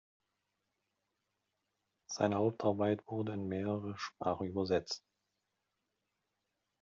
Seine Hauptarbeit wurde in mehrere Sprachen übersetzt.